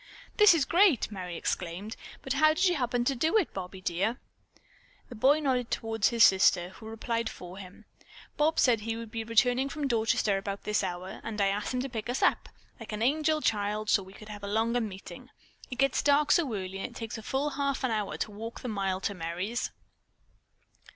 "This is great!" Merry exclaimed. "How did you happen to do it, Bobbie dear?" The boy nodded toward his sister, who replied for him: "Bob said he would be returning from Dorchester about this hour, and I asked him to pick us up, like an angel child, so that we could have a longer meeting. It gets dark so early and it takes a full half hour to walk the mile to Merry's."